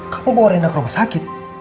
kamu bawa rendang ke rumah sakit